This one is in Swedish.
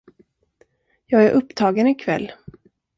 jag är upptagen ikväll.